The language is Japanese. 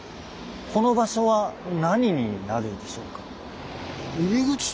この場所は何になるでしょうか？